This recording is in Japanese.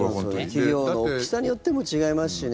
企業の大きさによっても違いますしね。